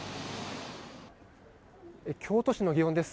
京都市の祇園です。